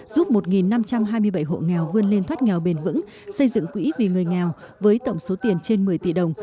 giúp một năm trăm hai mươi bảy hộ nghèo vươn lên thoát nghèo bền vững xây dựng quỹ vì người nghèo với tổng số tiền trên một mươi tỷ đồng